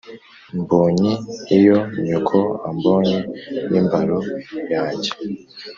mbonyi iyo nyoko ambonye n'imbaro yanjye